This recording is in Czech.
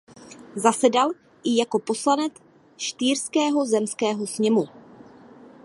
Zasedal i jako poslanec Štýrského zemského sněmu.